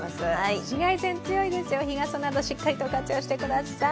紫外線強いですよ、日傘などしっかりと活用してください。